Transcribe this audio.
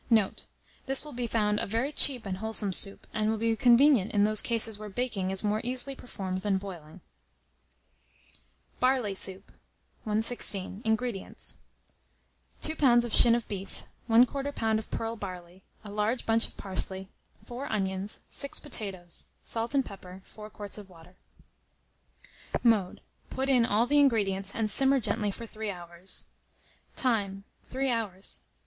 Note. This will be found a very cheap and wholesome soup, and will be convenient in those cases where baking is more easily performed than boiling. BARLEY SOUP. 116. INGREDIENTS. 2 lbs. of shin of beef, 1/4 lb. of pearl barley, a large bunch of parsley, 4 onions, 6 potatoes, salt and pepper, 4 quarts of water. Mode. Put in all the ingredients, and simmer gently for 3 hours. Time. 3 hours.